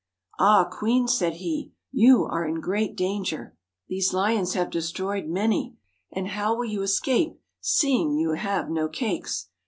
'Ah, queen,' said he, 'you are in great danger! These lions have destroyed many; and how will you escape, seeing you have no cakes